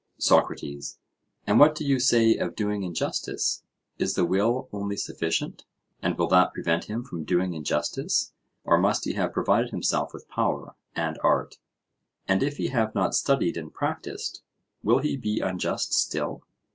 SOCRATES: And what do you say of doing injustice? Is the will only sufficient, and will that prevent him from doing injustice, or must he have provided himself with power and art; and if he have not studied and practised, will he be unjust still?